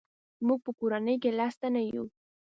موږ په کورنۍ کې لس تنه یو.